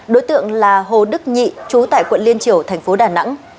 đối tượng là hồ đức nhị chú tại quận liên triều thành phố đà nẵng